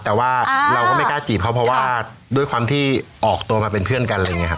แต่ว่าเราก็ไม่กล้าจีบเขาเพราะว่าด้วยความที่ออกตัวมาเป็นเพื่อนกันอะไรอย่างนี้ครับ